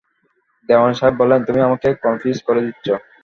দেওয়ান সাহেব বললেন, তুমি আমাকে কনফিউজ করে দিচ্ছ।